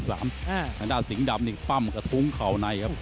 ทางด้านสิงห์ดำนี่ปั้มกระทุ้งเข่าในครับ